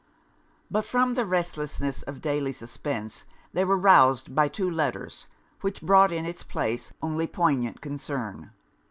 But from the restlessness of daily suspence, they were roused by two letters; which brought in it's place only poignant concern.